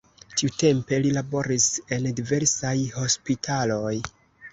Tiutempe li laboris en diversaj hospitaloj.